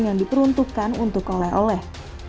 yang diperuntukkan untuk oleh oleh